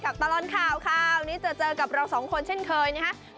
ตลอดข่าวข่าวนี้จะเจอกับเราสองคนเช่นเคยนะครับ